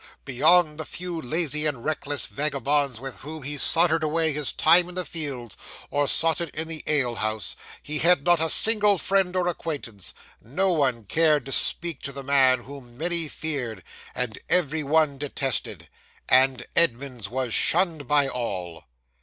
Beyond the few lazy and reckless vagabonds with whom he sauntered away his time in the fields, or sotted in the ale house, he had not a single friend or acquaintance; no one cared to speak to the man whom many feared, and every one detested and Edmunds was shunned by all.